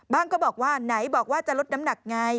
ก็บอกว่าไหนบอกว่าจะลดน้ำหนักไง